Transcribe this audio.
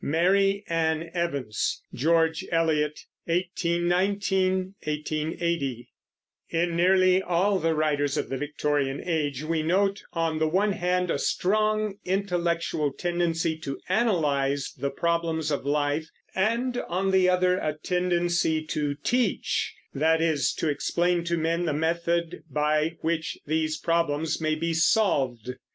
MARY ANN EVANS, GEORGE ELIOT (1819 1880) In nearly all the writers of the Victorian Age we note, on the one hand, a strong intellectual tendency to analyze the problems of life, and on the other a tendency to teach, that is, to explain to men the method by which these problems may be solved.